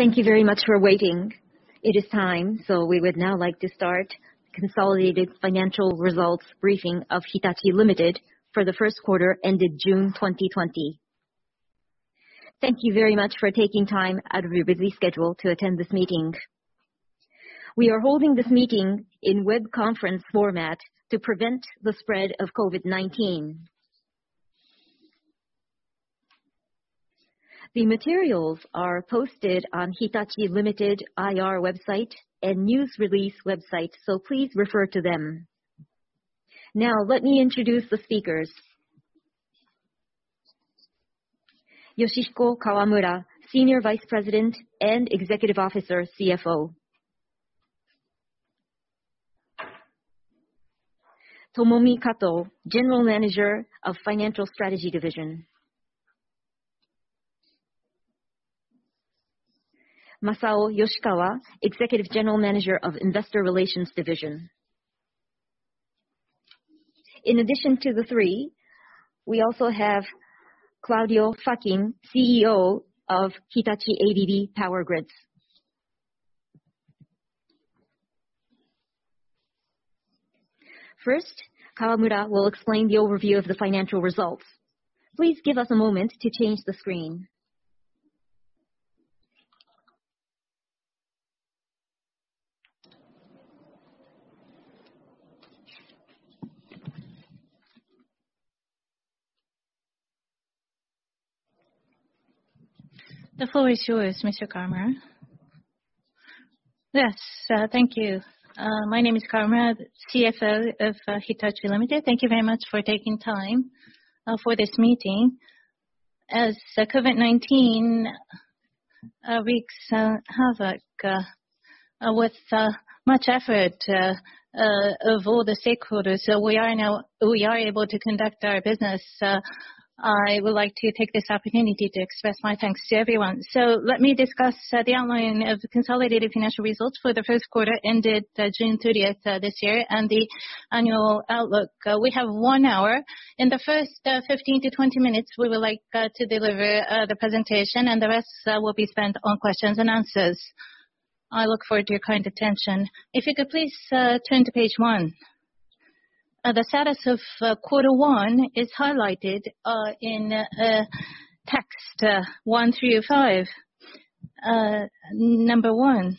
Thank you very much for waiting. It is time, so we would now like to start Consolidated Financial Results Briefing of Hitachi, Ltd. for the first quarter ended June 2020. Thank you very much for taking time out of your busy schedule to attend this meeting. We are holding this meeting in web conference format to prevent the spread of COVID-19. The materials are posted on Hitachi, Ltd. IR website and news release website, so please refer to them. Now let me introduce the speakers. Yoshihiko Kawamura, Senior Vice President and Executive Officer, CFO. Tomomi Kato, General Manager of Financial Strategy Division. Masao Yoshikawa, Executive General Manager of Investor Relations Division. In addition to the three, we also have Claudio Facchin, CEO of Hitachi ABB Power Grids. First, Kawamura will explain the overview of the financial results. Please give us a moment to change the screen. The floor is yours, Mr. Kawamura. Yes. Thank you. My name is Kawamura, CFO of Hitachi Limited. Thank you very much for taking time for this meeting. As COVID-19 wreaks havoc, with much effort of all the stakeholders, we are able to conduct our business. I would like to take this opportunity to express my thanks to everyone. Let me discuss the outline of the consolidated financial results for the first quarter ended June 30th this year, and the annual outlook. We have one hour. In the first 15-20 minutes, we would like to deliver the presentation, and the rest will be spent on questions-and-answers. I look forward to your kind attention. If you could please turn to page one. The status of quarter one is highlighted in text one through five. Number one,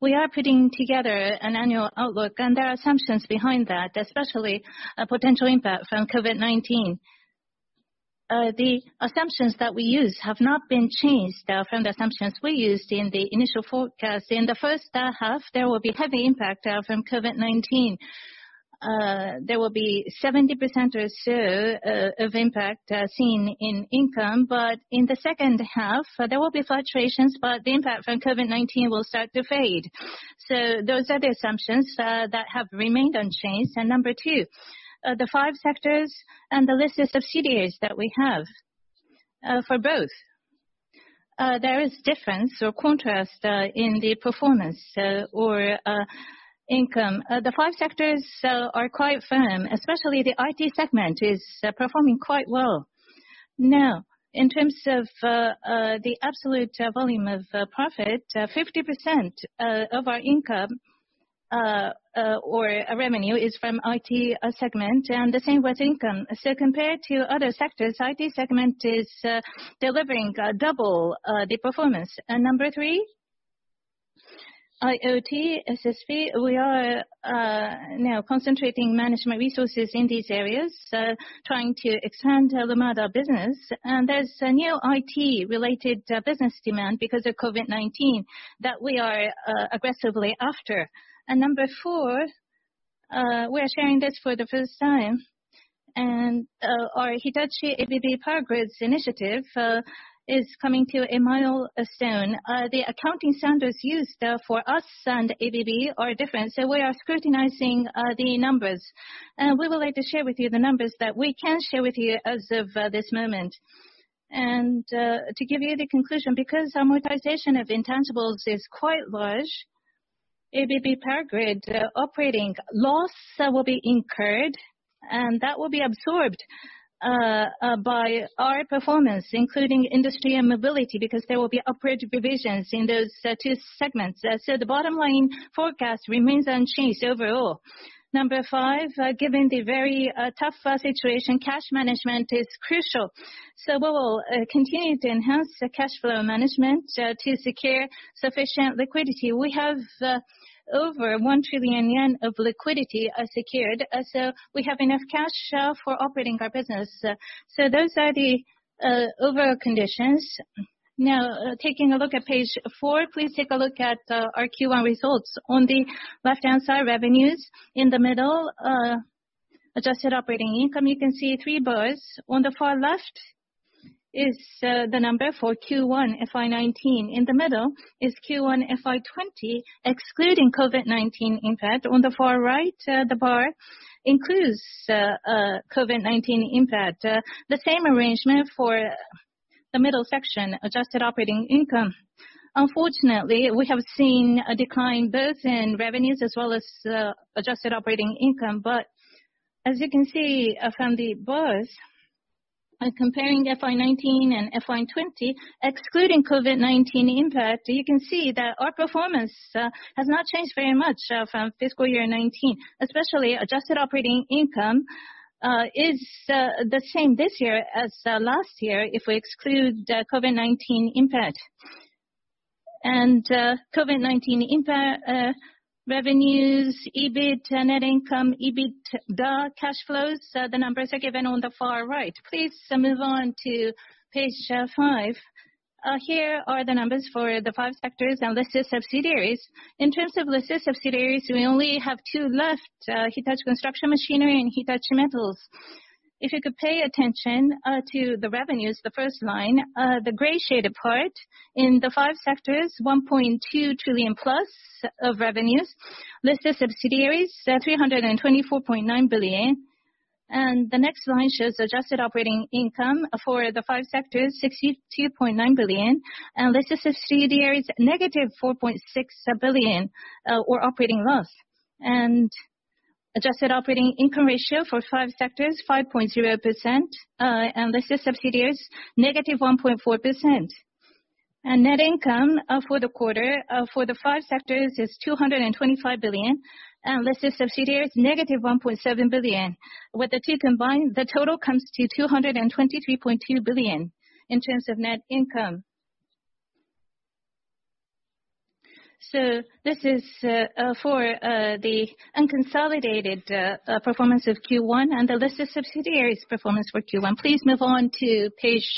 we are putting together an annual outlook. There are assumptions behind that, especially potential impact from COVID-19. The assumptions that we used have not been changed from the assumptions we used in the initial forecast. In the first half, there will be heavy impact from COVID-19. There will be 70% or so of impact seen in income. In the second half, there will be fluctuations. The impact from COVID-19 will start to fade. Those are the assumptions that have remained unchanged. Number two, the five sectors and the listed subsidiaries that we have for both. There is difference or contrast in the performance or income. The five sectors are quite firm, especially the IT segment is performing quite well. In terms of the absolute volume of profit, 50% of our income or revenue is from IT segment and the same with income. Compared to other sectors, IT segment is delivering double the performance. Number three, IoT, SSP, we are now concentrating management resources in these areas, trying to expand Lumada business. There's a new IT-related business demand because of COVID-19 that we are aggressively after. Number four, we are sharing this for the first time, and our Hitachi ABB Power Grids initiative is coming to a milestone. The accounting standards used for us and ABB are different, so we are scrutinizing the numbers. We would like to share with you the numbers that we can share with you as of this moment. To give you the conclusion, because amortization of intangibles is quite large, Hitachi ABB Power Grids operating loss will be incurred, and that will be absorbed by our performance, including industry and mobility, because there will be upgrade provisions in those two segments. The bottom line forecast remains unchanged overall. Number five, given the very tough situation, cash management is crucial. We will continue to enhance the cash flow management to secure sufficient liquidity. We have over 1 trillion yen of liquidity secured, so we have enough cash for operating our business. Those are the overall conditions. Taking a look at page four, please take a look at our Q1 results. On the left-hand side, revenues. In the middle, adjusted operating income. You can see three bars. On the far left is the number for Q1 FY 2019. In the middle is Q1 FY 2020, excluding COVID-19 impact. On the far right, the bar includes COVID-19 impact. The same arrangement for the middle section, adjusted operating income. Unfortunately, we have seen a decline both in revenues as well as adjusted operating income. As you can see from the bars, by comparing FY 2019 and FY 2020, excluding COVID-19 impact, you can see that our performance has not changed very much from fiscal year 2019. Especially adjusted operating income is the same this year as last year, if we exclude COVID-19 impact. COVID-19 impact revenues, EBIT, net income, EBITDA, cash flows, the numbers are given on the far right. Please move on to page five. Here are the numbers for the five sectors and listed subsidiaries. In terms of listed subsidiaries, we only have two left, Hitachi Construction Machinery and Hitachi Metals. If you could pay attention to the revenues, the first line, the gray shaded part. In the five sectors, 1.2 trillion+ of revenues. Listed subsidiaries, 324.9 billion. The next line shows adjusted operating income for the five sectors, 62.9 billion. Listed subsidiaries, -4.6 billion, or operating loss. Adjusted operating income ratio for five sectors, 5.0%, and listed subsidiaries, -1.4%. Net income for the quarter for the five sectors is 225 billion, and listed subsidiaries, -1.7 billion. With the two combined, the total comes to 223.2 billion in terms of net income. This is for the unconsolidated performance of Q1 and the list of subsidiaries performance for Q1. Please move on to page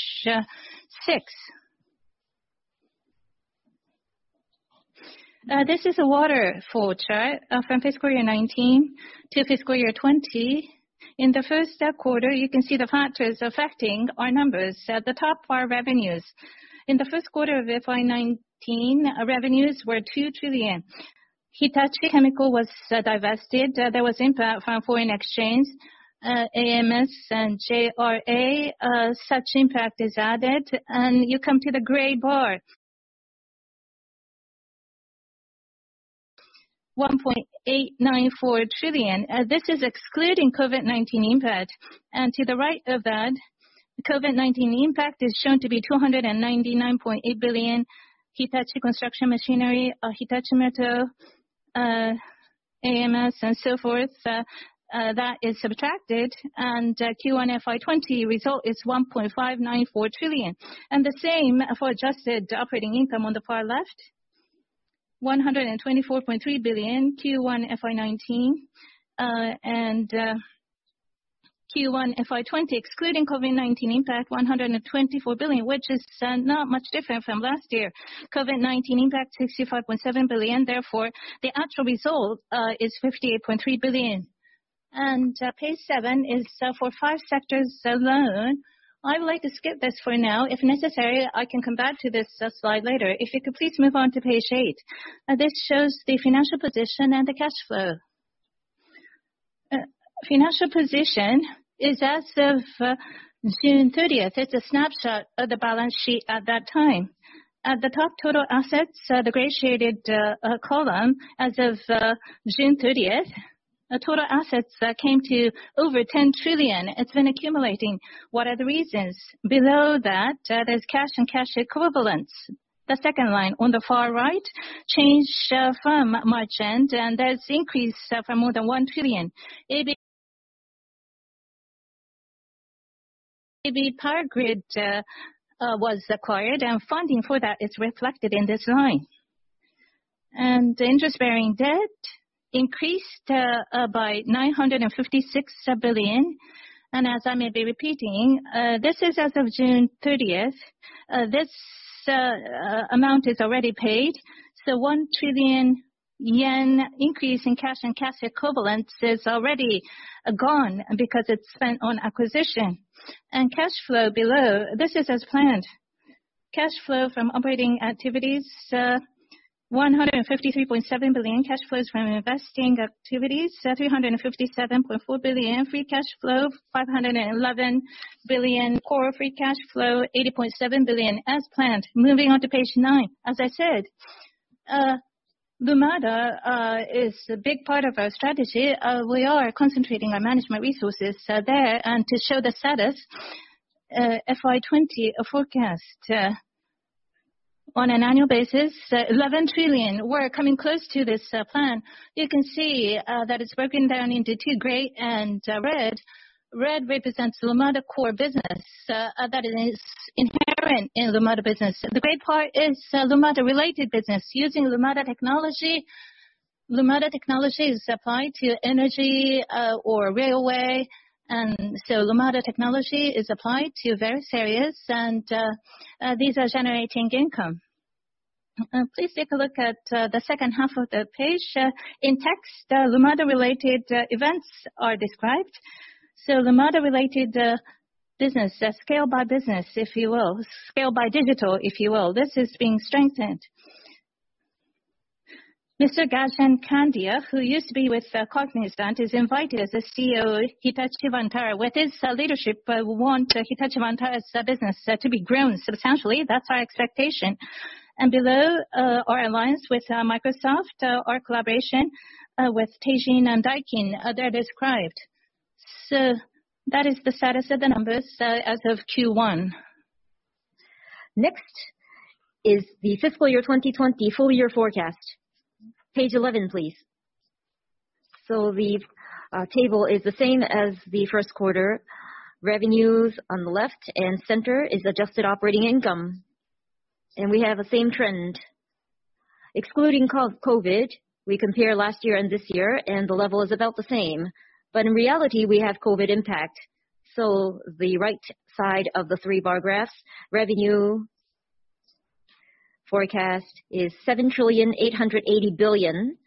six. This is a waterfall chart from FY 2019 to FY 2020. In the first quarter, you can see the factors affecting our numbers. At the top are revenues. In the first quarter of FY 2019, revenues were 2 trillion. Hitachi Chemical was divested. There was impact from foreign exchange, AMS and JRA. Such impact is added, you come to the gray bar, 1.894 trillion. This is excluding COVID-19 impact. To the right of that, COVID-19 impact is shown to be 299.8 billion. Hitachi Construction Machinery, Hitachi Metals, AMS and so forth, that is subtracted, Q1 FY 2020 result is 1.594 trillion. The same for adjusted operating income on the far left, 124.3 billion Q1 FY 2019. Q1 FY 2020, excluding COVID-19 impact, 124 billion, which is not much different from last year. COVID-19 impact, 65.7 billion, therefore, the actual result is 58.3 billion. Page seven is for five sectors alone. I would like to skip this for now. If necessary, I can come back to this slide later. If you could please move on to page eight. This shows the financial position and the cash flow. Financial position is as of June 30th. It's a snapshot of the balance sheet at that time. At the top, total assets, the gray shaded column, as of June 30th. Total assets came to over 10 trillion. It's been accumulating. What are the reasons? Below that, there's cash and cash equivalents. The second line on the far right changed from March end, that's increased from more than 1 trillion. ABB Power Grids was acquired, funding for that is reflected in this line. Interest-bearing debt increased by 956 billion. As I may be repeating, this is as of June 30th. This amount is already paid. 1 trillion yen increase in cash and cash equivalents is already gone because it's spent on acquisition. Cash flow below, this is as planned. Cash flow from operating activities, 153.7 billion. Cash flows from investing activities, 357.4 billion. Free cash flow, 511 billion. Core free cash flow, 80.7 billion as planned. Moving on to page nine. As I said, Lumada is a big part of our strategy. We are concentrating our management resources there. To show the status, FY 2020 forecast. On an annual basis, 11 trillion. We're coming close to this plan. You can see that it's broken down into two, gray and red. Red represents Lumada core business. That is inherent in Lumada business. The gray part is Lumada-related business. Using Lumada technology. Lumada technology is applied to energy or railway. Lumada technology is applied to various areas. These are generating income. Please take a look at the second half of the page. In text, Lumada-related events are described. Lumada-related business, scale by business, if you will. Scale by digital, if you will. This is being strengthened. Gajen Kandiah, who used to be with Cognizant, is invited as the CEO of Hitachi Vantara. With his leadership, we want Hitachi Vantara's business to be grown substantially. That's our expectation. Below, our alliance with Microsoft, our collaboration with Teijin and Daikin, they're described. That is the status of the numbers as of Q1. Next is the fiscal year 2020 full-year forecast. Page 11, please. The table is the same as the first quarter. Revenues on the left and center is adjusted operating income. We have the same trend. Excluding COVID, we compare last year and this year, and the level is about the same. In reality, we have COVID impact. The right side of the three bar graphs, revenue forecast is 7.880 trillion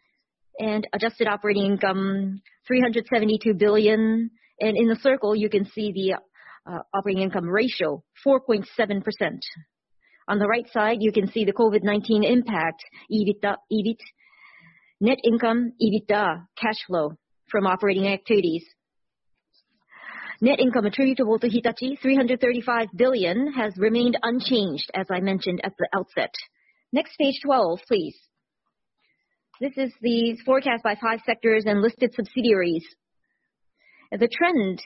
and adjusted operating income 372 billion. In the circle, you can see the operating income ratio, 4.7%. On the right side, you can see the COVID-19 impact, net income, EBITDA, cash flow from operating activities. Net income attributable to Hitachi, 335 billion, has remained unchanged, as I mentioned at the outset. Page 12, please. This is the forecast by five sectors and listed subsidiaries. The trend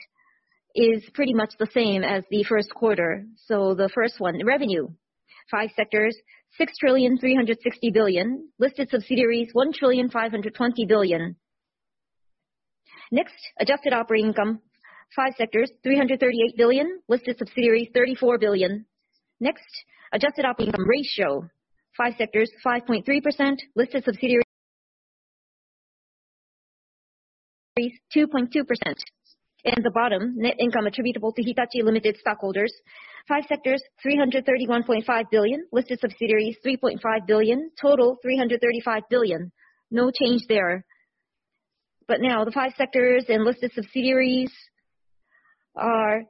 is pretty much the same as the first quarter. The first one, revenue, five sectors, 6.360 trillion. Listed subsidiaries, 1.520 trillion. Adjusted operating income, five sectors, 338 billion. Listed subsidiaries, 34 billion. Adjusted operating income ratio, five sectors, 5.3%. Listed subsidiaries, 2.2%. The bottom, net income attributable to Hitachi, Ltd. stockholders, five sectors, 331.5 billion. Listed subsidiaries, 3.5 billion. Total 335 billion. No change there. Now the five sectors and listed subsidiaries are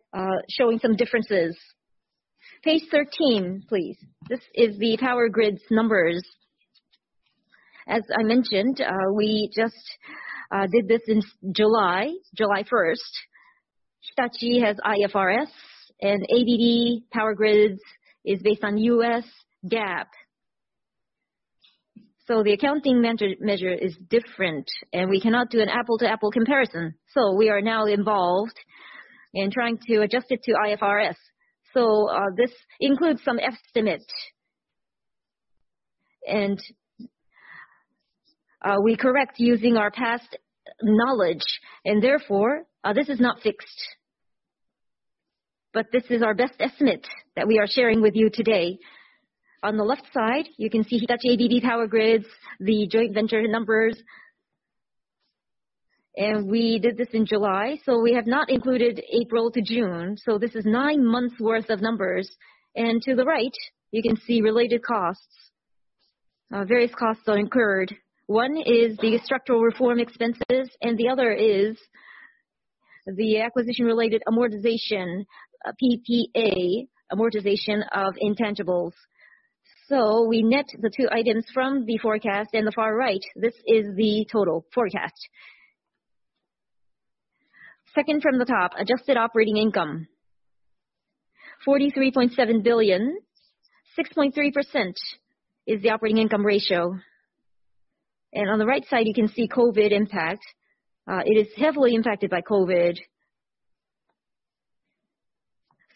showing some differences. Page 13, please. This is the Power Grids numbers. As I mentioned, we just did this in July 1st. Hitachi has IFRS and ABB Power Grids is based on U.S. GAAP. The accounting measure is different, and we cannot do an apple-to-apple comparison. We are now involved in trying to adjust it to IFRS. This includes some estimates, and we correct using our past knowledge, and therefore, this is not fixed. This is our best estimate that we are sharing with you today. On the left side, you can see Hitachi ABB Power Grids, the joint venture numbers. We did this in July, so we have not included April to June. This is nine months' worth of numbers. To the right, you can see related costs. Various costs are incurred. One is the structural reform expenses, and the other is the acquisition-related amortization, PPA amortization of intangibles. We net the two items from the forecast in the far right. This is the total forecast. Second from the top, adjusted operating income, 43.7 billion. 6.3% is the operating income ratio. On the right side, you can see COVID impact. It is heavily impacted by COVID.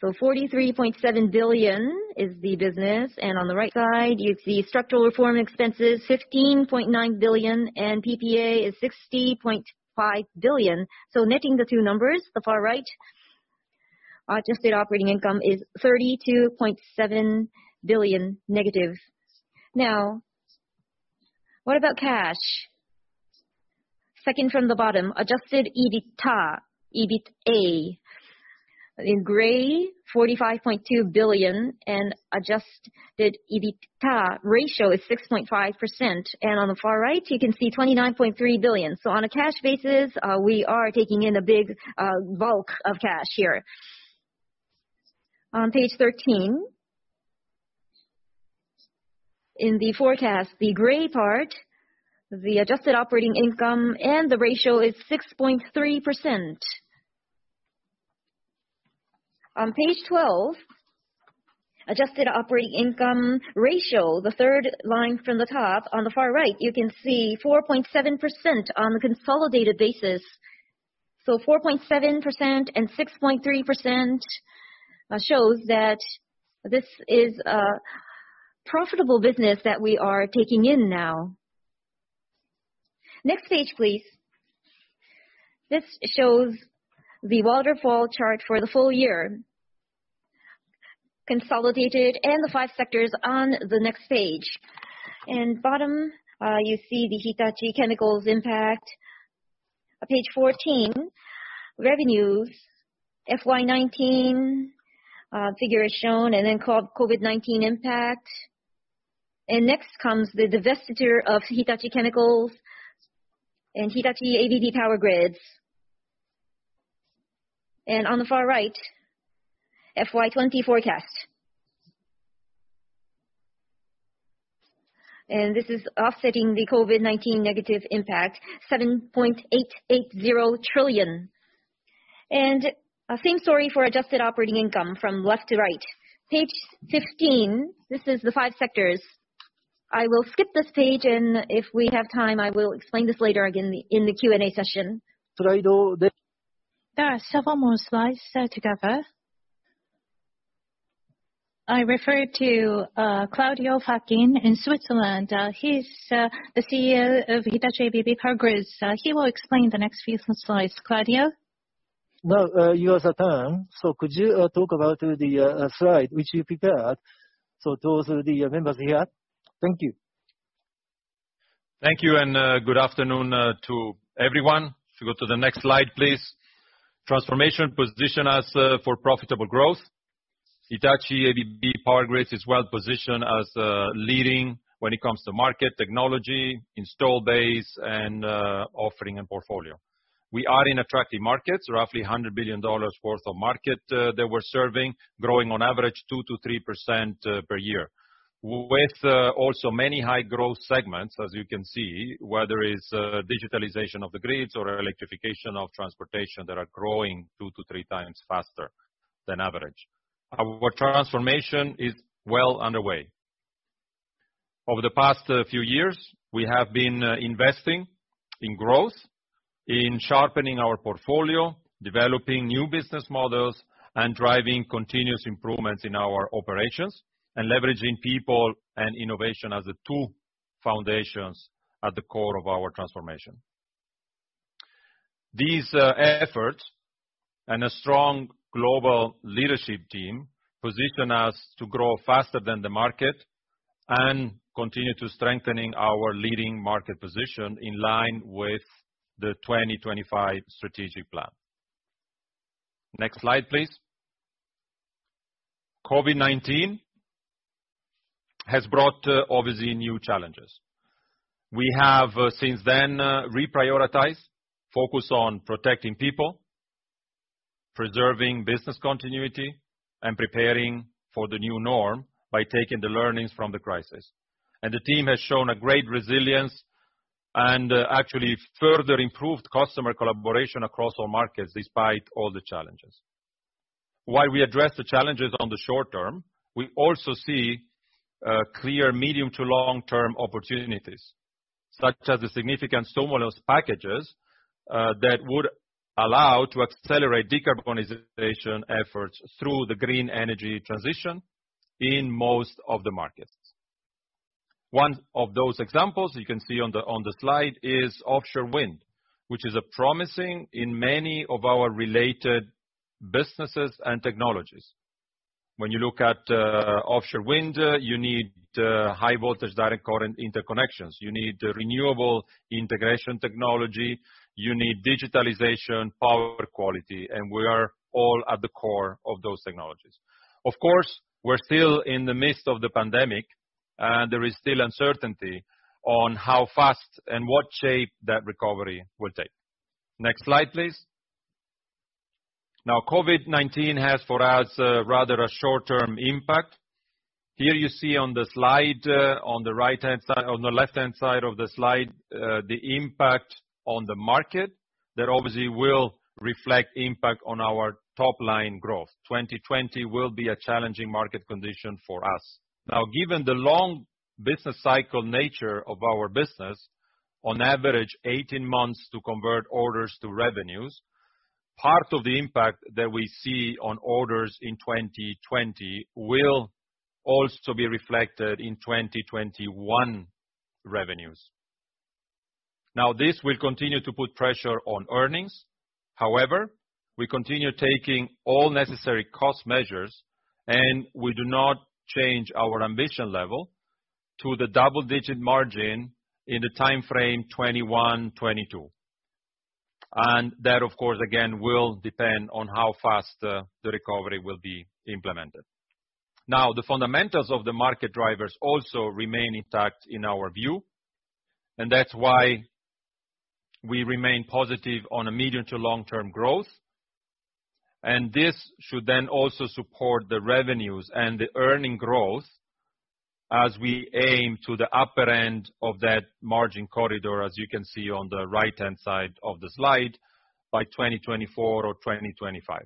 43.7 billion is the business, and on the right side, you see structural reform expenses, 15.9 billion, and PPA is 60.5 billion. Netting the two numbers, the far right, adjusted operating income is 32.7 billion-. Now, what about cash? Second from the bottom, adjusted EBITDA, EBITA. In gray, 45.2 billion, and adjusted EBITDA ratio is 6.5%. On the far right, you can see 29.3 billion. On a cash basis, we are taking in a big bulk of cash here. On page 13, in the forecast, the gray part, the adjusted operating income and the ratio is 6.3%. On page 12, adjusted operating income ratio, the third line from the top on the far right, you can see 4.7% on a consolidated basis. 4.7% and 6.3% shows that this is a profitable business that we are taking in now. Next page, please. This shows the waterfall chart for the full year, consolidated and the five sectors on the next page. Bottom, you see the Hitachi Chemical impact. Page 14, revenues, FY 2019 figure is shown and then COVID-19 impact. Next comes the divestiture of Hitachi Chemical and Hitachi ABB Power Grids. On the far right, FY 2020 forecast. This is offsetting the COVID-19 negative impact, 7.880 trillion. Same story for adjusted operating income from left to right. Page 15, this is the five sectors. I will skip this page, and if we have time, I will explain this later in the Q&A session. There are several more slides to cover. I refer to Claudio Facchin in Switzerland. He is the CEO of Hitachi ABB Power Grids. He will explain the next few slides. Claudio? Your turn. Could you talk about the slide which you prepared, so those are the members here. Thank you. Thank you, and good afternoon to everyone. If you go to the next slide, please. Transformation position us for profitable growth. Hitachi ABB Power Grids is well positioned as leading when it comes to market, technology, install base, and offering, and portfolio. We are in attractive markets. Roughly $100 billion worth of market that we're serving, growing on average 2%-3% per year. With also many high growth segments, as you can see, whether it's digitalization of the grids or electrification of transportation that are growing two to three times faster than average. Our transformation is well underway. Over the past few years, we have been investing in growth, in sharpening our portfolio, developing new business models, and driving continuous improvements in our operations, and leveraging people and innovation as the two foundations at the core of our transformation. These efforts and a strong global leadership team position us to grow faster than the market and continue to strengthening our leading market position in line with the 2025 strategic plan. Next slide, please. COVID-19 has brought, obviously, new challenges. We have, since then, reprioritized, focused on protecting people, preserving business continuity, and preparing for the new norm by taking the learnings from the crisis. The team has shown a great resilience and actually further improved customer collaboration across all markets despite all the challenges. While we address the challenges on the short-term, we also see clear medium to long-term opportunities, such as the significant stimulus packages, that would allow to accelerate decarbonization efforts through the green energy transition in most of the markets. One of those examples you can see on the slide is offshore wind, which is promising in many of our related businesses and technologies. When you look at offshore wind, you need high voltage direct current interconnections. You need renewable integration technology. You need digitalization, power quality, and we are all at the core of those technologies. Of course, we're still in the midst of the pandemic, and there is still uncertainty on how fast and what shape that recovery will take. Next slide, please. COVID-19 has, for us, rather a short-term impact. Here you see on the slide, on the left-hand side of the slide, the impact on the market that obviously will reflect impact on our top-line growth. 2020 will be a challenging market condition for us. Given the long business cycle nature of our business, on average 18 months to convert orders to revenues, part of the impact that we see on orders in 2020 will also be reflected in 2021 revenues. This will continue to put pressure on earnings. We continue taking all necessary cost measures, and we do not change our ambition level to the double-digit margin in the timeframe 2021, 2022. That, of course, again, will depend on how fast the recovery will be implemented. The fundamentals of the market drivers also remain intact in our view, and that's why we remain positive on a medium to long-term growth. This should then also support the revenues and the earning growth as we aim to the upper end of that margin corridor, as you can see on the right-hand side of the slide, by 2024 or 2025.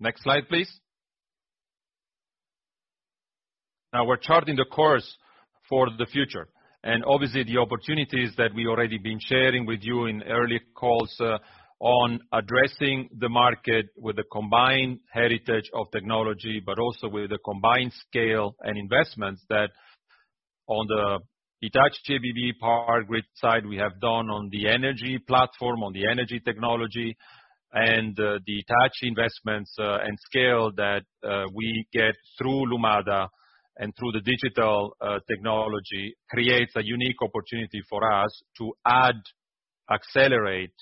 Next slide, please. Now we're charting the course for the future, obviously, the opportunities that we already been sharing with you in earlier calls on addressing the market with the combined heritage of technology, but also with the combined scale and investments that on the Hitachi ABB Power Grids side, we have done on the energy platform, on the energy technology. The Hitachi investments and scale that we get through Lumada and through the digital technology creates a unique opportunity for us to accelerate,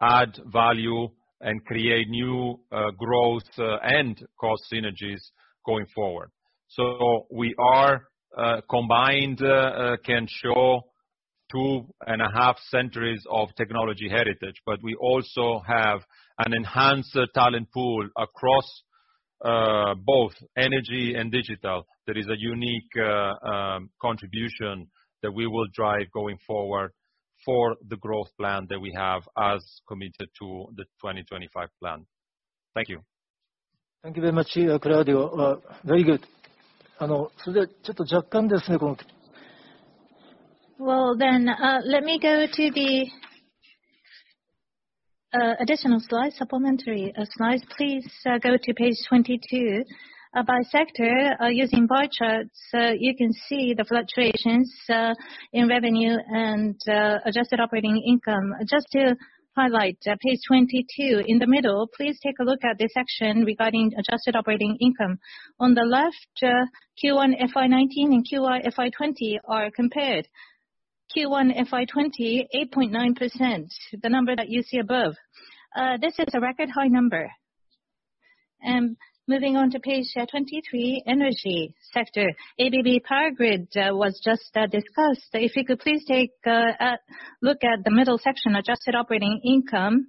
add value, and create new growth and cost synergies going forward. We are combined, can show two and a half centuries of technology heritage, but we also have an enhanced talent pool across both energy and digital that is a unique contribution that we will drive going forward for the growth plan that we have as committed to the 2025 plan. Thank you. Thank you very much, Claudio. Very good. Well, let me go to the additional slide, supplementary slides. Please go to page 22. By sector, using bar charts, you can see the fluctuations in revenue and adjusted operating income. Just to highlight page 22, in the middle, please take a look at the section regarding adjusted operating income. On the left, Q1 FY 2019 and Q1 FY 2020 are compared. Q1 FY 2020, 8.9%, the number that you see above. This is a record high number. Moving on to page 23, energy sector. ABB Power Grids was just discussed. If you could please take a look at the middle section, adjusted operating income.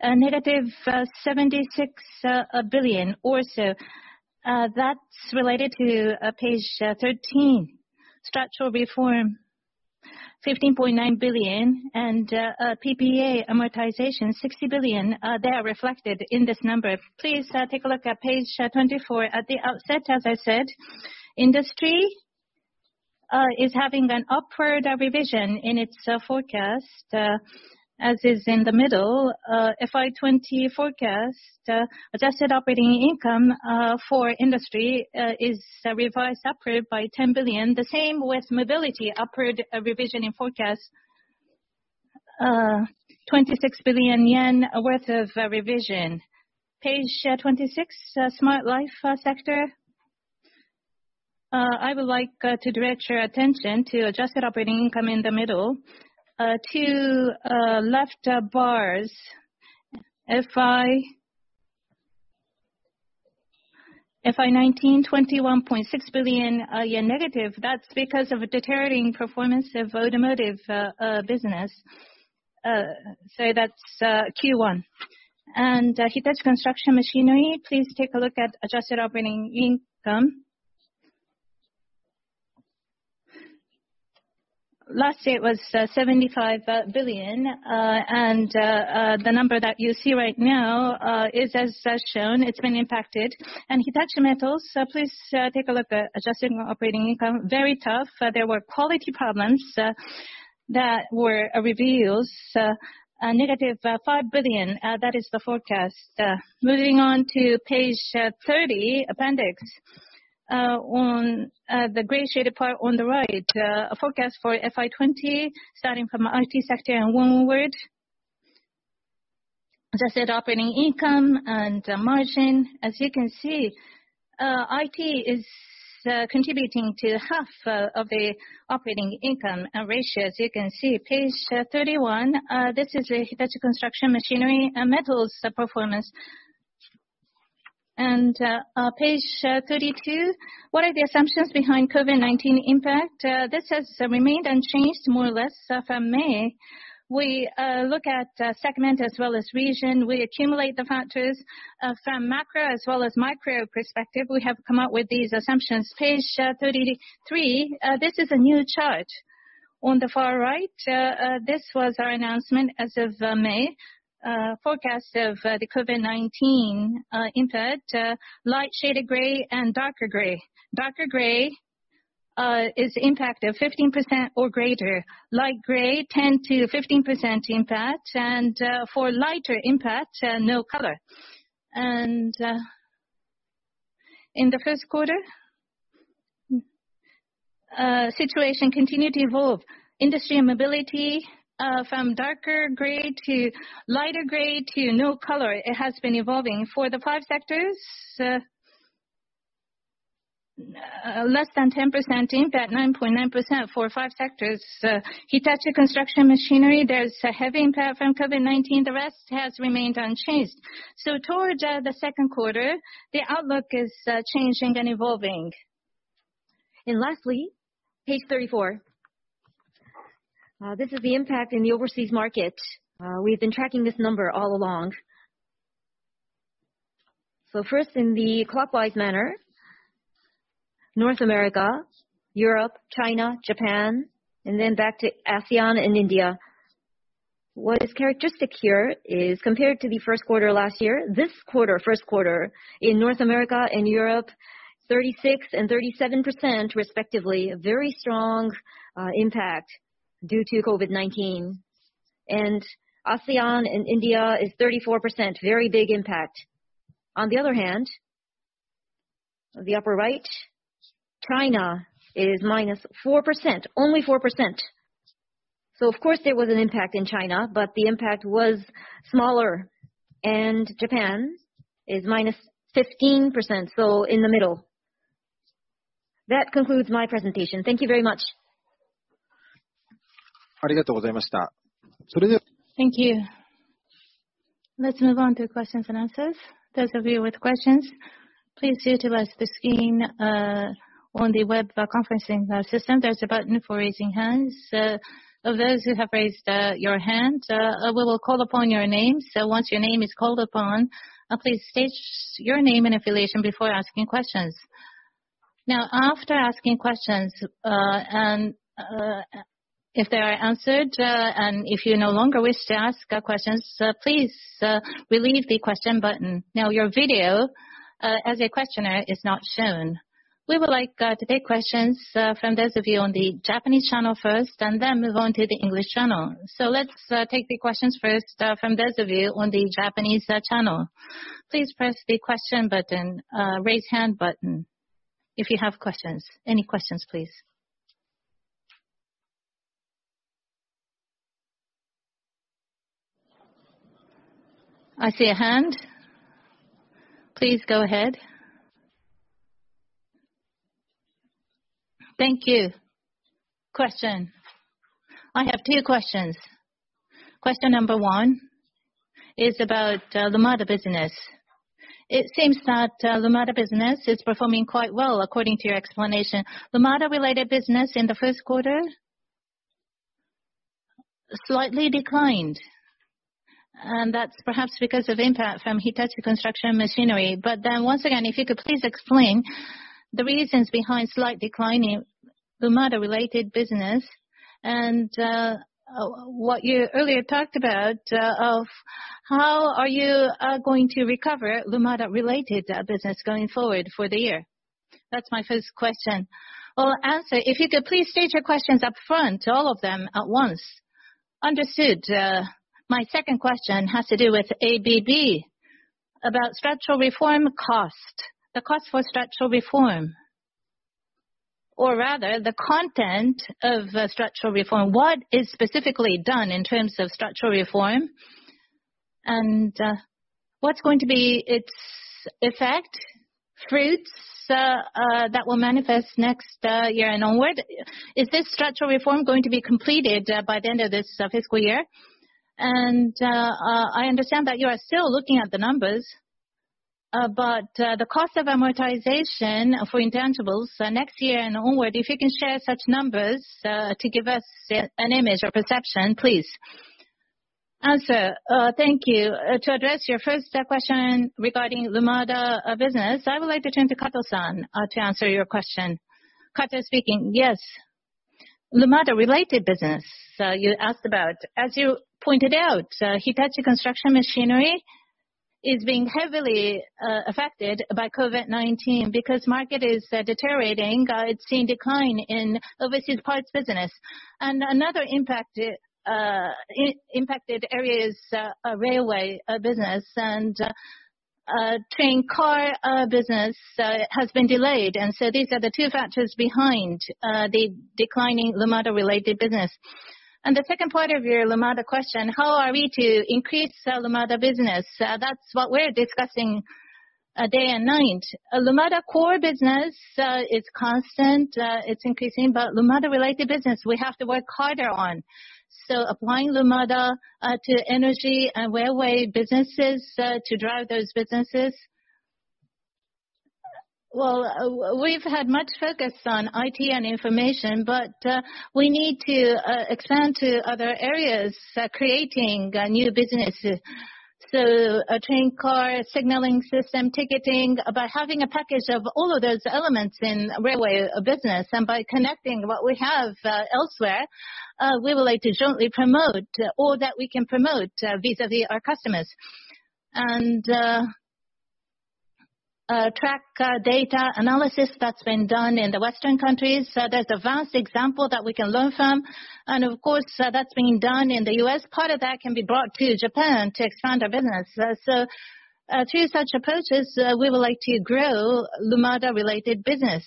A -76 billion or so. That's related to page 13, structural reform, 15.9 billion, and PPA amortization 60 billion. They are reflected in this number. Please take a look at page 24. At the outset, as I said, industry is having an upward revision in its forecast, as is in the middle, FY 2020 forecast. Adjusted operating income for industry is revised upward by 10 billion. The same with mobility, upward revision in forecast, 26 billion yen worth of revision. page 26, Smart Life sector. I would like to direct your attention to adjusted operating income in the middle. Two left bars, FY 2019, 21.6 billion yen-. That's because of a deteriorating performance of automotive business. That's Q1. Hitachi Construction Machinery, please take a look at adjusted operating income. Last year it was 75 billion, the number that you see right now is as shown. It's been impacted. Hitachi Metals, please take a look at adjusted operating income. Very tough. There were quality problems that were revealed. Negative 5 billion, that is the forecast. Moving on to page 30, appendix. On the gray shaded part on the right, forecast for FY 2020, starting from IT sector and onward. Adjusted operating income and margin. As you can see, IT is contributing to half of the operating income ratios. You can see page 31, this is Hitachi Construction Machinery and Metals' performance. Page 32, what are the assumptions behind COVID-19 impact? This has remained unchanged more or less from May. We look at segment as well as region. We accumulate the factors from macro as well as micro perspective. We have come up with these assumptions. Page 33. This is a new chart. On the far right, this was our announcement as of May. Forecast of the COVID-19 impact, light shaded gray and darker gray. Darker gray is impact of 15% or greater, light gray, 10%-15% impact, and for lighter impact, no color. In the first quarter, situation continued to evolve. Industry and mobility, from darker gray to lighter gray to no color. It has been evolving. For the five sectors, less than 10% impact, 9.9% for five sectors. Hitachi Construction Machinery, there's a heavy impact from COVID-19. The rest has remained unchanged. Towards the second quarter, the outlook is changing and evolving. Lastly, page 34. This is the impact in the overseas market. We've been tracking this number all along. First in the clockwise manner, North America, Europe, China, Japan, and then back to ASEAN and India. What is characteristic here is compared to the first quarter last year, this quarter, first quarter, in North America and Europe, 36% and 37% respectively, a very strong impact due to COVID-19. ASEAN and India is 34%, very big impact. On the other hand, the upper right, China is -4%, only 4%. Of course there was an impact in China, but the impact was smaller, and Japan is -15%, so in the middle. That concludes my presentation. Thank you very much. Thank you. Let's move on to questions-and-answers. Those of you with questions, please utilize the screen on the web conferencing system. There's a button for raising hands. Of those who have raised your hand, we will call upon your name. Once your name is called upon, please state your name and affiliation before asking questions. Now, after asking questions, and if they are answered, and if you no longer wish to ask questions, please relieve the question button. Now, your video, as a questioner, is not shown. We would like to take questions from those of you on the Japanese channel first, and then move on to the English channel. Let's take the questions first from those of you on the Japanese channel. Please press the question button, raise hand button if you have questions. Any questions, please. I see a hand. Please go ahead. Thank you. Question. I have two questions. Question number one is about Lumada business. It seems that Lumada business is performing quite well according to your explanation. Lumada-related business in the first quarter slightly declined, and that's perhaps because of impact from Hitachi Construction Machinery. Once again, if you could please explain the reasons behind slight decline in Lumada-related business and what you earlier talked about of how are you going to recover Lumada-related business going forward for the year? That's my first question. Well, answer, if you could please state your questions up front, all of them at once. Understood. My second question has to do with ABB, about structural reform cost, the cost for structural reform, or rather the content of structural reform. What is specifically done in terms of structural reform? What's going to be its effect, fruits, that will manifest next year and onward? Is this structural reform going to be completed by the end of this fiscal year? I understand that you are still looking at the numbers. The cost of amortization for intangibles next year and onward, if you can share such numbers to give us an image or perception, please. Answer. Thank you. To address your first question regarding Lumada business, I would like to turn to Kato-san to answer your question. Kato speaking. Yes. Lumada related business you asked about. As you pointed out, Hitachi Construction Machinery is being heavily affected by COVID-19 because market is deteriorating. It's seeing decline in overseas parts business. Another impacted area is railway business, and train car business has been delayed. These are the two factors behind the declining Lumada related business. The second part of your Lumada question, how are we to increase Lumada business? That's what we're discussing day and night. Lumada core business is constant. It's increasing, but Lumada related business, we have to work harder on. Applying Lumada to energy and railway businesses to drive those businesses. We've had much focus on IT and information, but we need to expand to other areas, creating new businesses. A train car signaling system, ticketing, by having a package of all of those elements in railway business, and by connecting what we have elsewhere, we would like to jointly promote all that we can promote vis-à-vis our customers. Track data analysis that's been done in the Western countries. There's advanced example that we can learn from, and of course, that's being done in the U.S. Part of that can be brought to Japan to expand our business. Through such approaches, we would like to grow Lumada-related business.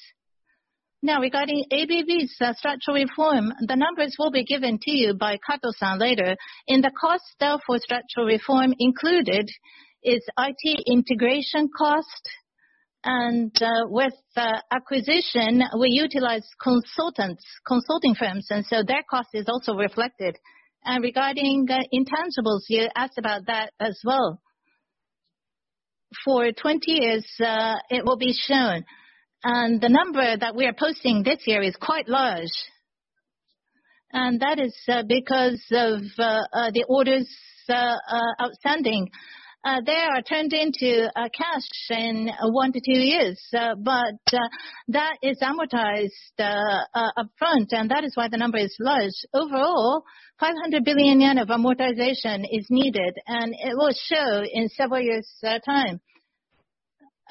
Now, regarding ABB's structural reform, the numbers will be given to you by Kato-san later. In the cost though, for structural reform included, is IT integration cost, and with acquisition, we utilize consultants, consulting firms, and so their cost is also reflected. Regarding intangibles, you asked about that as well. For 20 years, it will be shown, the number that we are posting this year is quite large. That is because of the orders outstanding. They are turned into cash in one to two years. That is amortized upfront, and that is why the number is large. Overall, 500 billion yen of amortization is needed, and it will show in several years' time.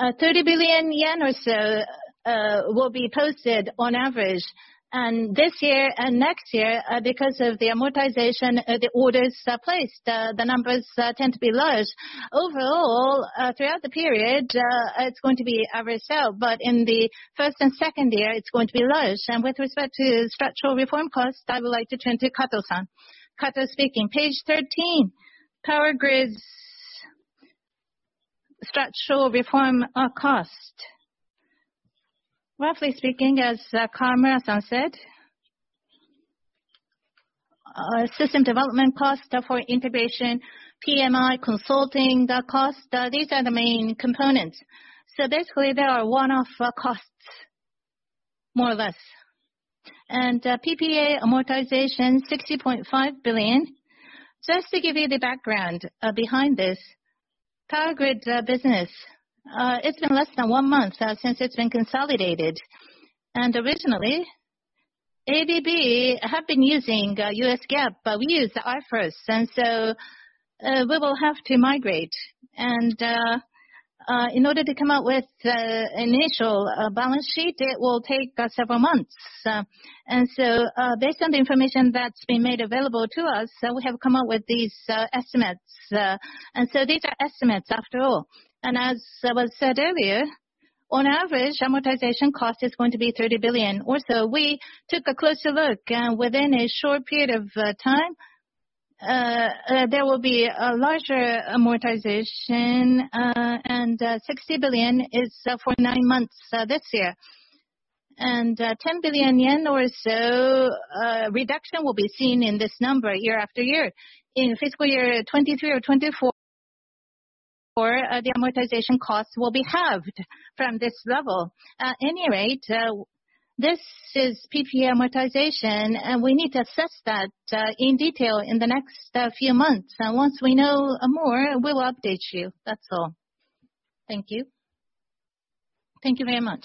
30 billion yen or so will be posted on average. This year and next year, because of the amortization, the orders are placed, the numbers tend to be large. Overall, throughout the period, it's going to be averaged out, but in the first and second year, it's going to be large. With respect to structural reform costs, I would like to turn to Kato-san. Kato speaking. Page 13, Power Grids structural reform cost. Roughly speaking, as Kawamura-san said, system development cost for integration, PMI consulting cost, these are the main components. Basically, they are one-off costs, more or less. PPA amortization, 60.5 billion. Just to give you the background behind this, Power Grid business, it's been less than one month since it's been consolidated. Originally, ABB have been using U.S. GAAP, but we use IFRS, and so we will have to migrate. In order to come out with the initial balance sheet, it will take several months. Based on the information that's been made available to us, we have come up with these estimates. These are estimates after all. As was said earlier, on average, amortization cost is going to be 30 billion or so. We took a closer look, within a short period of time, there will be a larger amortization, 60 billion is for nine months this year. 10 billion yen or so, reduction will be seen in this number year after year. In fiscal year 2023 or 2024, the amortization costs will be halved from this level. At any rate, this is PPA amortization, and we need to assess that in detail in the next few months. Once we know more, we'll update you. That's all. Thank you. Thank you very much.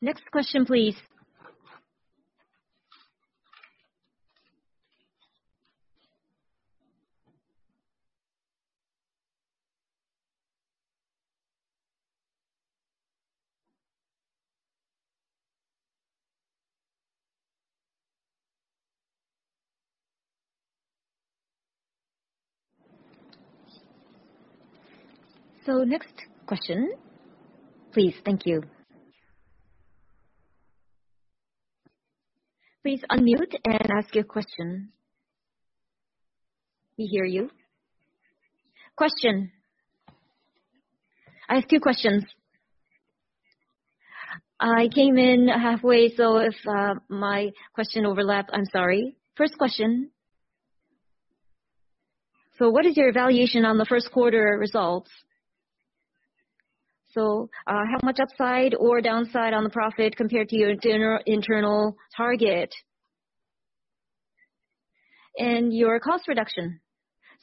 Next question, please. Next question, please. Thank you. Please unmute and ask your question. We hear you. I have two questions. I came in halfway, if my question overlapped, I'm sorry. First question. What is your evaluation on the first quarter results? How much upside or downside on the profit compared to your internal target? Your cost reduction.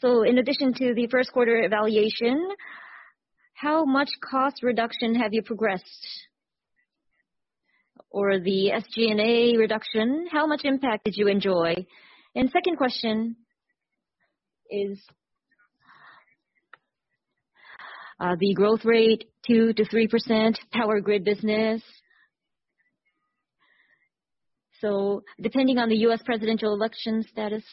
In addition to the first quarter evaluation, how much cost reduction have you progressed? The SG&A reduction, how much impact did you enjoy? Second question is, the growth rate 2%-3% Power Grid business. Depending on the U.S. presidential election status,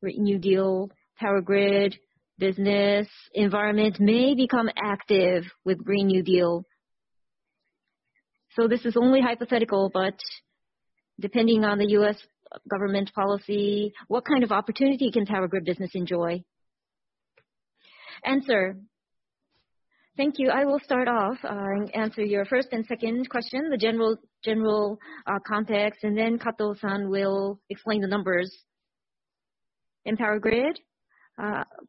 Green New Deal, Power Grid business environment may become active with Green New Deal. This is only hypothetical, but depending on the U.S. government policy, what kind of opportunity can Power Grid business enjoy? Thank you. I will start off and answer your first and second question, the general context, and then Kato-san will explain the numbers. In Power Grids,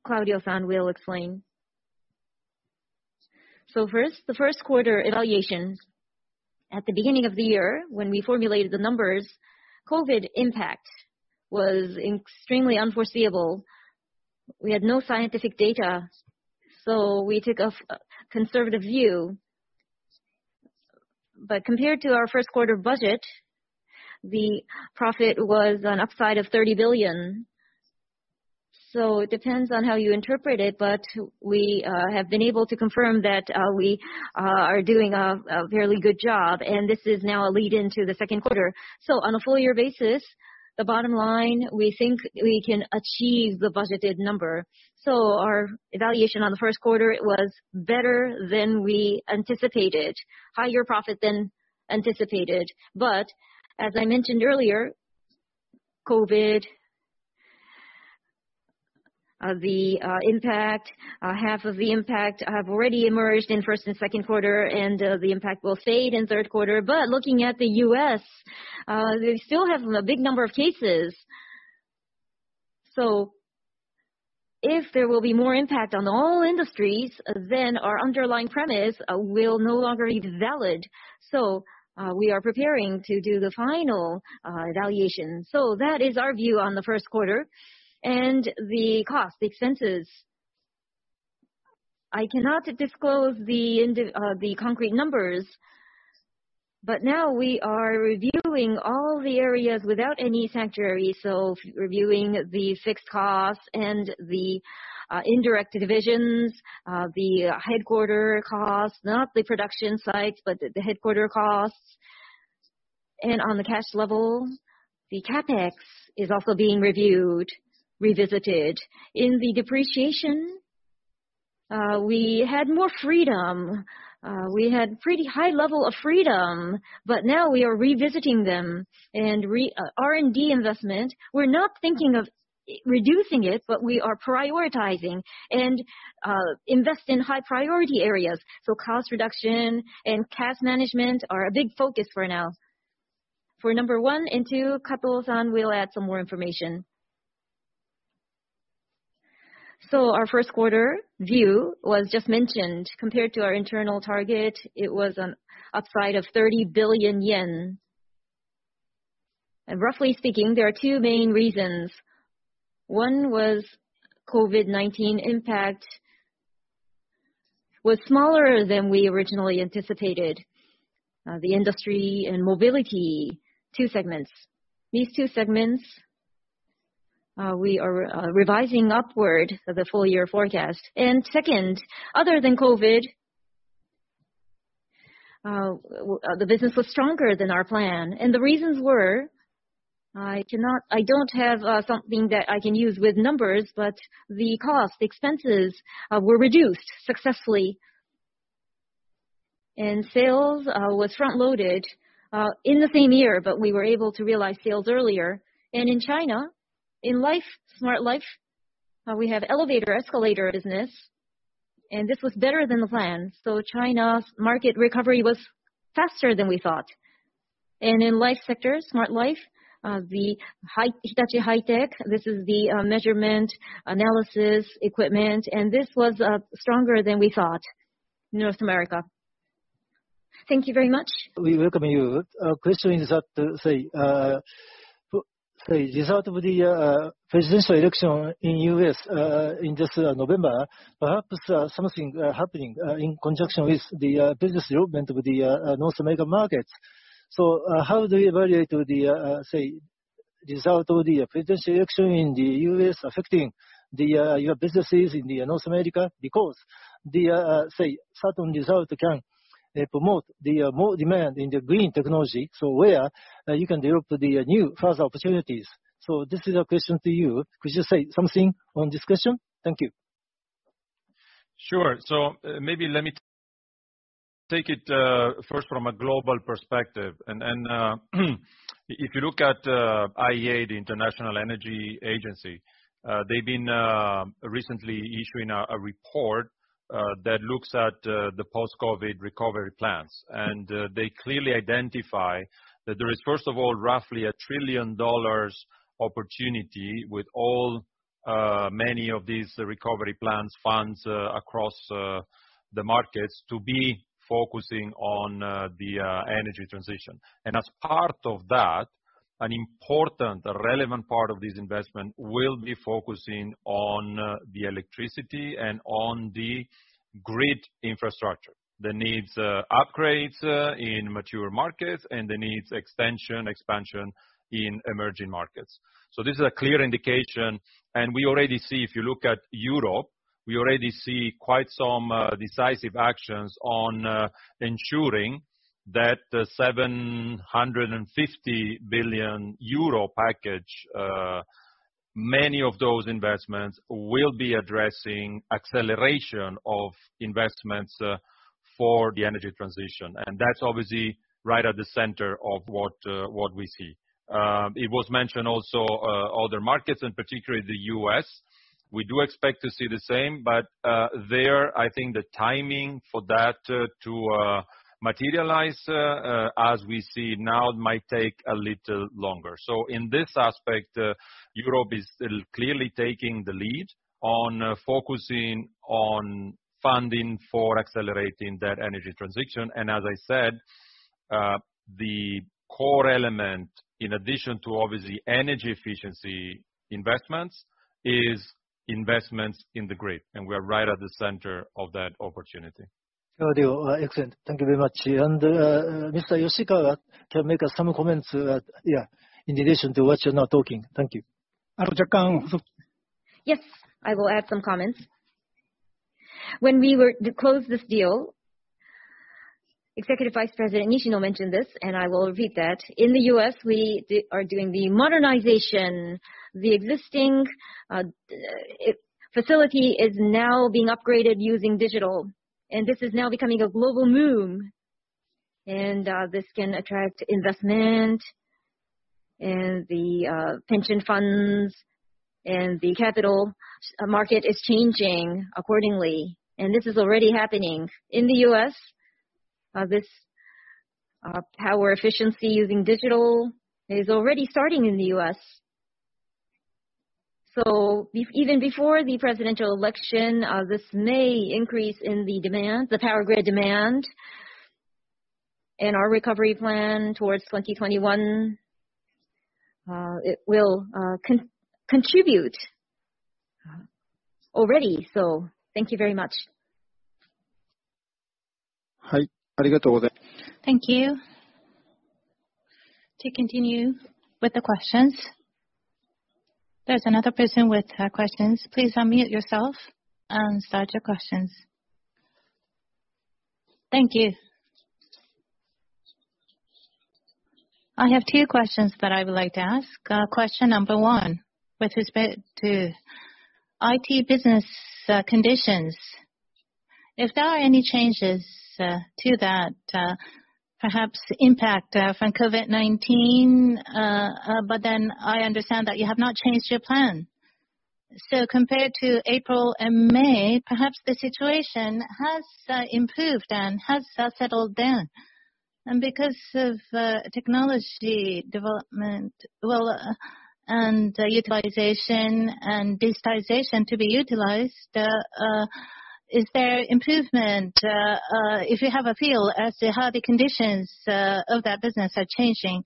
Claudio-san will explain. First, the first quarter evaluation. At the beginning of the year, when we formulated the numbers, COVID impact was extremely unforeseeable. We had no scientific data, we took a conservative view. Compared to our first quarter budget, the profit was an upside of 30 billion. It depends on how you interpret it, but we have been able to confirm that we are doing a fairly good job, and this is now a lead into the second quarter. On a full-year basis, the bottom line, we think we can achieve the budgeted number. Our evaluation on the first quarter was better than we anticipated, higher profit than anticipated. As I mentioned earlier, COVID, the impact, half of the impact have already emerged in first and second quarter, and the impact will fade in third quarter. But looking at the U.S., they still have a big number of cases. If there will be more impact on all industries, then our underlying premise will no longer be valid. We are preparing to do the final evaluation. That is our view on the first quarter. The cost, the expenses. I cannot disclose the concrete numbers, but now we are reviewing all the areas without any sanctuary, reviewing the fixed costs and the indirect divisions, the headquarter costs, not the production sites, but the headquarter costs. On the cash level, the CapEx is also being reviewed, revisited. In the depreciation We had more freedom. We had pretty high level of freedom, now we are revisiting them and R&D investment. We're not thinking of reducing it, we are prioritizing and invest in high-priority areas. Cost reduction and cash management are a big focus for now. For number one and two, Kato-san will add some more information. Our first quarter view was just mentioned. Compared to our internal target, it was an upside of JPY 30 billion. Roughly speaking, there are two main reasons. One was COVID-19 impact was smaller than we originally anticipated. The industry and mobility, two segments. These two segments, we are revising upward the full-year forecast. Second, other than COVID, the business was stronger than our plan. The reasons were, I don't have something that I can use with numbers, the cost, the expenses were reduced successfully. Sales was front-loaded in the same year, but we were able to realize sales earlier. In China, in Smart Life, we have elevator, escalator business and this was better than the plan. China's market recovery was faster than we thought. In life sector, Smart Life, the Hitachi High-Tech, this is the measurement analysis equipment, and this was stronger than we thought, North America. Thank you very much. We welcome you. Question is that, say, result of the presidential election in U.S., in this November, perhaps something happening in conjunction with the business development of the North America market. How do you evaluate the, say, result of the presidential election in the U.S. affecting your businesses in the North America? The, say, certain result can promote the more demand in the green technology, so where you can develop the new further opportunities. This is a question to you. Could you say something on this question? Thank you. Sure. Maybe let me take it first from a global perspective. If you look at IEA, the International Energy Agency, they've been recently issuing a report that looks at the post-COVID recovery plans. They clearly identify that there is, first of all, roughly a $1 trillion opportunity with all, many of these recovery plans, funds across the markets to be focusing on the energy transition. As part of that, an important, relevant part of this investment will be focusing on the electricity and on the grid infrastructure that needs upgrades in mature markets, and that needs extension, expansion in emerging markets. This is a clear indication, and we already see if you look at Europe, we already see quite some decisive actions on ensuring that 750 billion euro package, many of those investments will be addressing acceleration of investments for the energy transition. That's obviously right at the center of what we see. It was mentioned also other markets, in particular the U.S. We do expect to see the same, but there, I think the timing for that to materialize, as we see now, it might take a little longer. So in this aspect, Europe is clearly taking the lead on focusing on funding for accelerating that energy transition. As I said, the core element in addition to, obviously, energy efficiency investments, is investments in the grid, and we're right at the center of that opportunity. Excellent. Thank you very much. Mr. Yoshikawa can make some comments, yeah, in addition to what you're now talking. Thank you. Yes, I will add some comments. When we were to close this deal, Executive Vice President Nishino mentioned this, and I will repeat that. In the U.S., we are doing the modernization. The existing facility is now being upgraded using digital, and this is now becoming a global move. This can attract investment and the pension funds and the capital market is changing accordingly. This is already happening in the U.S. This power efficiency using digital is already starting in the U.S. Even before the presidential election, this may increase in the demand, the Power Grid demand. Our recovery plan towards 2021, it will contribute already. Thank you very much. Hi. Thank you. To continue with the questions, there's another person with questions. Please unmute yourself and start your questions. Thank you. I have two questions that I would like to ask. Question number one, with respect to IT business conditions, if there are any changes to that, perhaps impact from COVID-19, I understand that you have not changed your plan. Compared to April and May, perhaps the situation has improved and has settled down. Because of technology development and utilization and digitization to be utilized, is there improvement, if you have a feel as to how the conditions of that business are changing?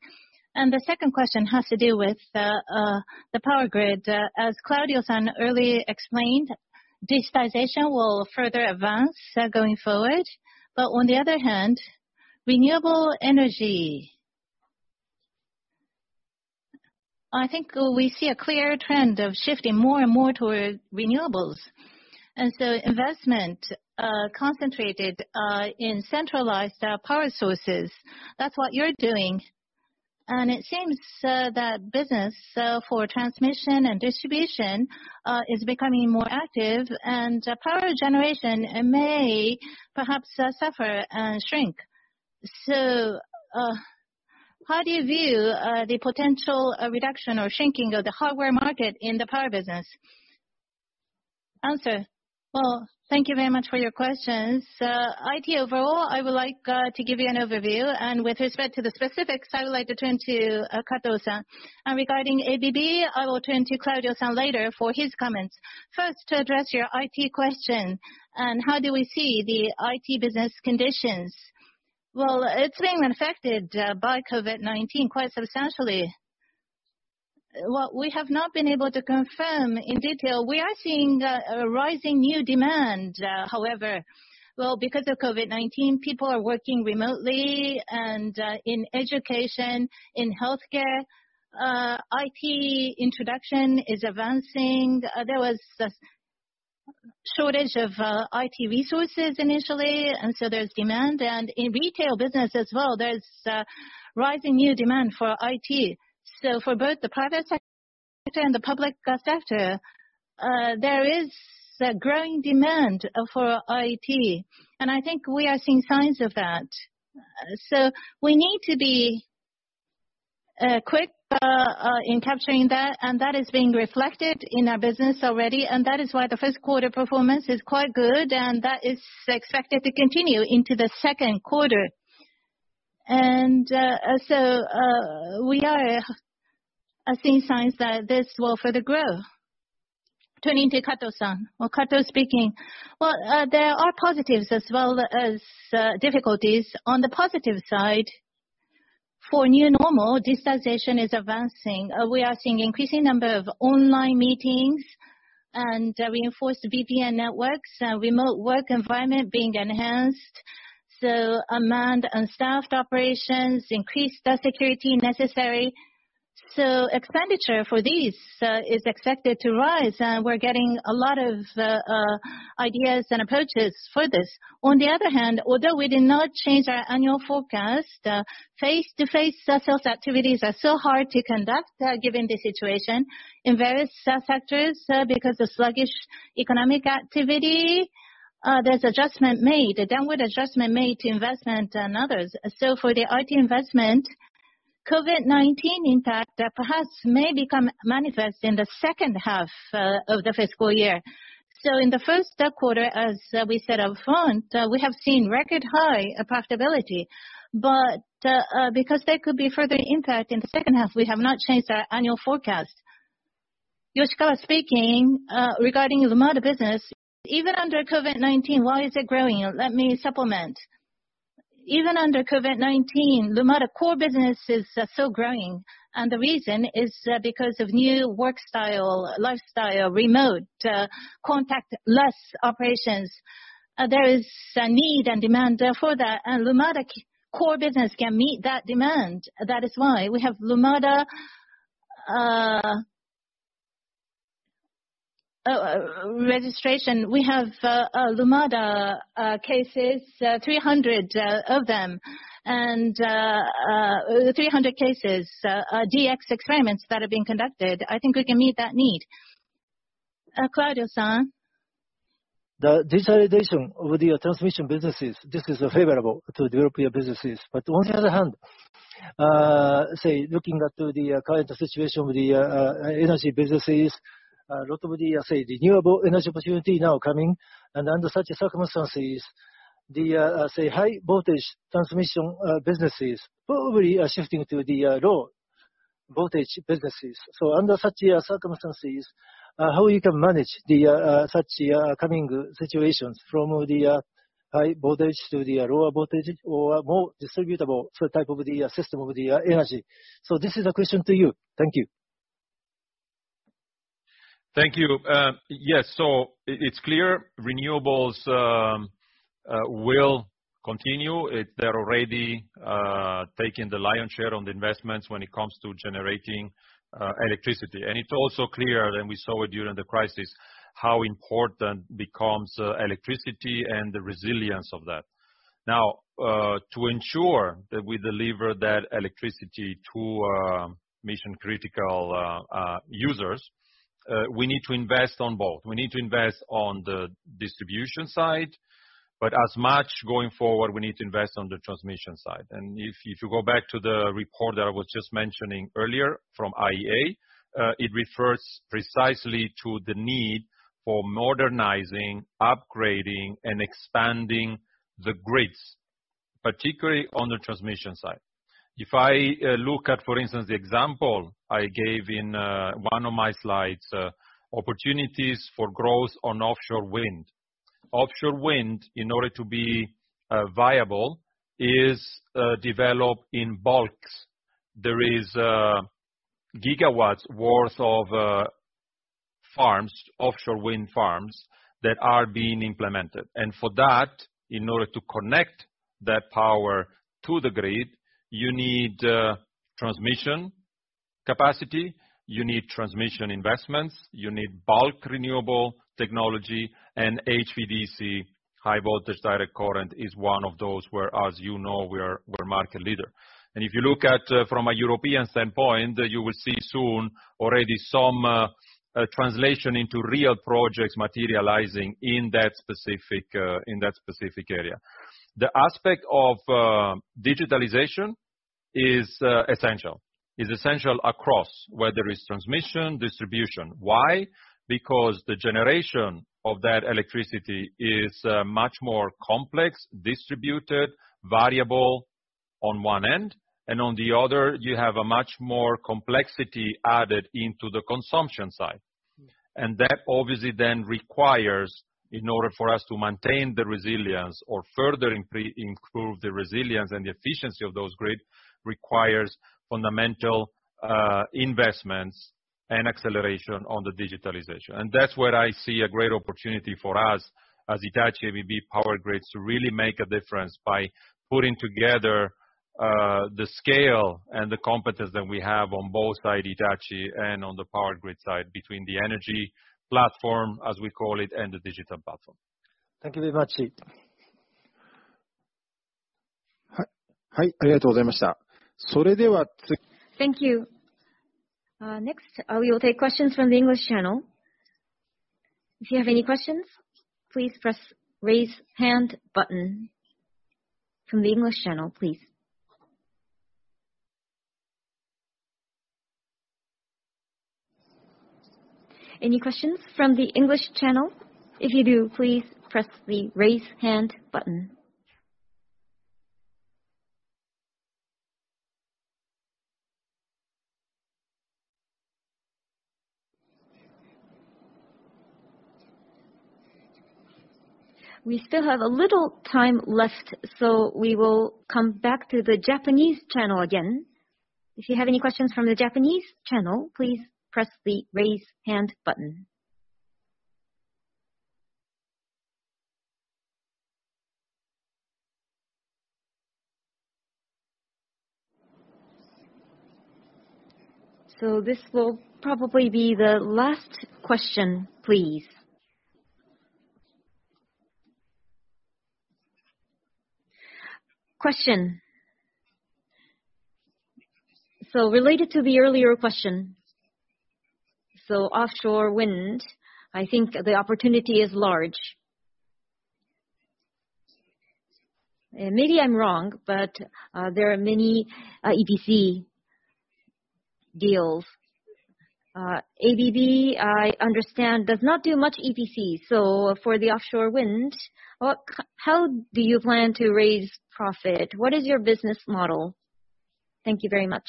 The second question has to do with the Power Grid. As Claudio-san earlier explained, digitization will further advance going forward. On the other hand, renewable energy. I think we see a clear trend of shifting more and more towards renewables, and so investment concentrated in centralized power sources. That's what you're doing. It seems that business for transmission and distribution is becoming more active, and power generation may perhaps suffer and shrink. How do you view the potential reduction or shrinking of the hardware market in the power business? Well, thank you very much for your questions. IT overall, I would like to give you an overview, and with respect to the specifics, I would like to turn to Kato-san. Regarding ABB, I will turn to Claudio-san later for his comments. First, to address your IT question, and how do we see the IT business conditions. Well, it's been affected by COVID-19 quite substantially. What we have not been able to confirm in detail, we are seeing a rising new demand, however. Well, because of COVID-19, people are working remotely and in education, in healthcare, IT introduction is advancing. There was a shortage of IT resources initially, there's demand. In retail business as well, there's a rising new demand for IT. For both the private sector and the public sector, there is a growing demand for IT, and I think we are seeing signs of that. We need to be quick in capturing that, and that is being reflected in our business already, and that is why the first quarter performance is quite good, and that is expected to continue into the second quarter. We are seeing signs that this will further grow. Turning to Kato-san. Kato speaking. Well, there are positives as well as difficulties. On the positive side, for new normal, digitization is advancing. We are seeing increasing number of online meetings and reinforced VPN networks, remote work environment being enhanced. Unmanned, unstaffed operations, increased security necessary. Expenditure for these is expected to rise, and we're getting a lot of ideas and approaches for this. On the other hand, although we did not change our annual forecast, face-to-face sales activities are still hard to conduct, given the situation. In various sectors, because of sluggish economic activity, there's adjustment made, a downward adjustment made to investment and others. For the IT investment, COVID-19 impact perhaps may become manifest in the second half of the fiscal year. In the first quarter, as we said up front, we have seen record high profitability. Because there could be further impact in the second half, we have not changed our annual forecast. Yoshikawa speaking. Regarding Lumada business, even under COVID-19, why is it growing? Let me supplement. Even under COVID-19, Lumada core business is still growing. The reason is because of new work style, lifestyle, remote, contactless operations. There is a need and demand for that. Lumada core business can meet that demand. That is why we have Lumada registration. We have Lumada cases, 300 of them. 300 cases, DX experiments that are being conducted. I think we can meet that need. Claudio-san. The digitalization of the transmission businesses, this is favorable to the European businesses. On the other hand, looking at the current situation with the energy businesses, a lot of the renewable energy opportunity now coming, and under such circumstances, the high voltage transmission businesses probably are shifting to the low voltage businesses. Under such circumstances, how you can manage such coming situations from the high voltage to the lower voltage or more distributable type of the system of the energy. This is a question to you. Thank you. Thank you. Yes. It's clear renewables will continue. They're already taking the lion's share on the investments when it comes to generating electricity. It's also clear, and we saw it during the crisis, how important becomes electricity and the resilience of that. Now, to ensure that we deliver that electricity to mission-critical users, we need to invest in both. We need to invest on the distribution side, but as much going forward, we need to invest on the transmission side. If you go back to the report that I was just mentioning earlier from IEA, it refers precisely to the need for modernizing, upgrading, and expanding the grids, particularly on the transmission side. If I look at, for instance, the example I gave in one of my slides, opportunities for growth on offshore wind. Offshore wind, in order to be viable, is developed in bulks. There is gigawatts worth of offshore wind farms that are being implemented. For that, in order to connect that power to the grid, you need transmission capacity, you need transmission investments, you need bulk renewable technology, and HVDC, high voltage direct current, is one of those where as you know, we are market leader. If you look at from a European standpoint, you will see soon already some translation into real projects materializing in that specific area. The aspect of digitalization is essential. Is essential across, whether it's transmission, distribution. Why? Because the generation of that electricity is much more complex, distributed, variable on one end, and on the other, you have a much more complexity added into the consumption side. That obviously then requires, in order for us to maintain the resilience or further improve the resilience and the efficiency of those grid, requires fundamental investments and acceleration on the digitalization. That's where I see a great opportunity for us, as Hitachi ABB Power Grids, to really make a difference by putting together the scale and the competence that we have on both sides, Hitachi and on the Power Grid side, between the energy platform, as we call it, and the digital platform. Thank you very much. Thank you. Next, we will take questions from the English channel. If you have any questions, please press raise hand button. From the English channel, please. Any questions from the English channel? If you do, please press the raise hand button. We still have a little time left, we will come back to the Japanese channel again. If you have any questions from the Japanese channel, please press the raise hand button. This will probably be the last question, please. Question. Related to the earlier question. Offshore wind, I think the opportunity is large. Maybe I'm wrong, but there are many EPC deals. ABB, I understand, does not do much EPC. For the offshore wind, how do you plan to raise profit? What is your business model? Thank you very much.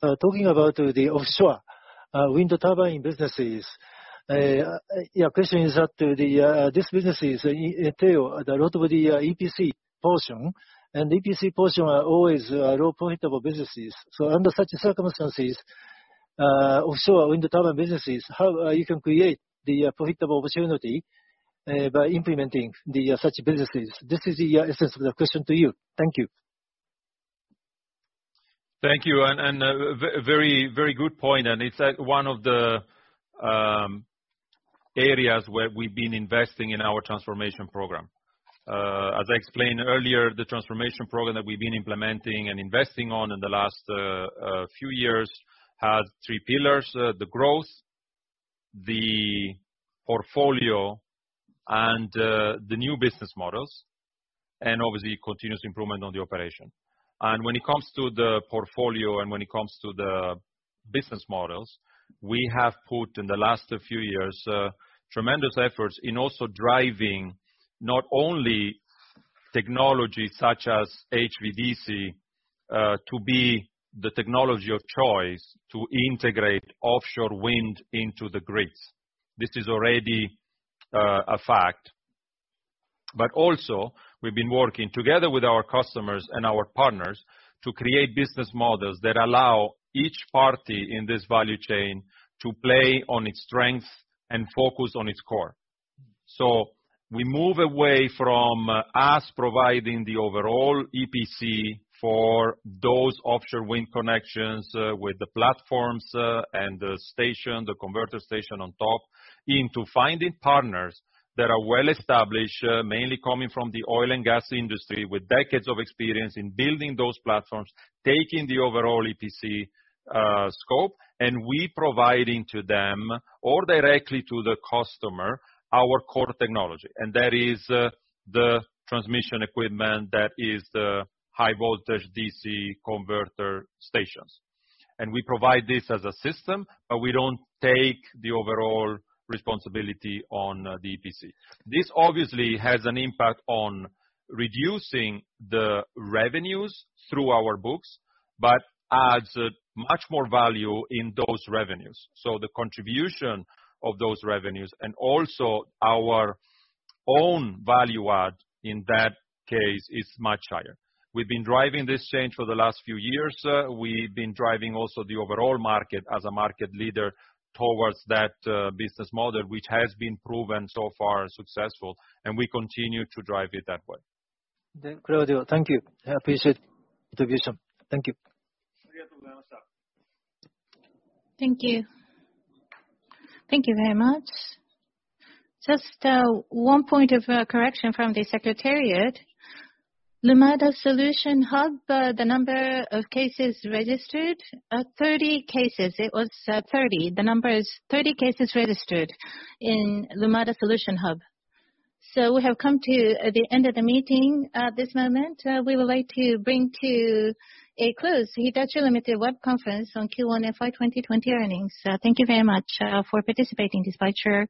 Talking about the offshore wind turbine businesses. Your question is that these businesses entail a lot of the EPC portion, EPC portions are always low profitable businesses. Under such circumstances, offshore wind turbine businesses, how you can create the profitable opportunity by implementing such businesses? This is the essence of the question to you. Thank you. Thank you, and a very good point. It's one of the areas where we've been investing in our Transformation Program. As I explained earlier, the Transformation Program that we've been implementing and investing on in the last few years had three pillars. The growth, the portfolio, and the new business models, and obviously continuous improvement on the operation. When it comes to the portfolio and when it comes to the business models, we have put, in the last few years, tremendous efforts in also driving not only technology such as HVDC to be the technology of choice to integrate offshore wind into the grids. This is already a fact. Also, we've been working together with our customers and our partners to create business models that allow each party in this value chain to play on its strengths and focus on its core. We move away from us providing the overall EPC for those offshore wind connections with the platforms and the station, the converter station on top, into finding partners that are well-established, mainly coming from the oil and gas industry with decades of experience in building those platforms, taking the overall EPC scope, and we providing to them or directly to the customer, our core technology. That is the transmission equipment. That is the high voltage DC converter stations. We provide this as a system, but we don't take the overall responsibility on the EPC. This obviously has an impact on reducing the revenues through our books, but adds much more value in those revenues. The contribution of those revenues and also our own value add in that case is much higher. We've been driving this change for the last few years. We've been driving also the overall market as a market leader towards that business model, which has been proven so far successful, and we continue to drive it that way. Claudio, thank you. I appreciate the view. Thank you. Thank you. Thank you very much. Just one point of correction from the secretariat. Lumada Solution Hub, the number of cases registered are 30 cases. It was 30. The number is 30 cases registered in Lumada Solution Hub. We have come to the end of the meeting at this moment. We would like to bring to a close Hitachi, Ltd. web conference on Q1 FY 2020 earnings. Thank you very much for participating despite your